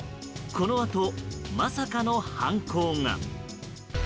このあと、まさかの犯行が。